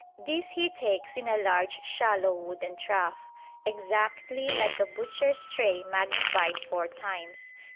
This he takes in a large shallow wooden trough, exactly like a butcher's tray magnified four times.